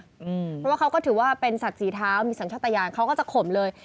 เพราะว่าเขาก็ถือว่าเป็นสัตว์สีเท้ามีสัญชาติยานเขาก็จะข่มเลย